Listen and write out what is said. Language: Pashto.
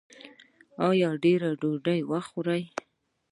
ایا ډیرې ډوډۍ خورئ؟